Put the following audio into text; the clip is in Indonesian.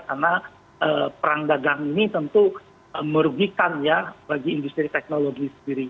karena perang dagang ini tentu merugikan ya bagi industri teknologi sendiri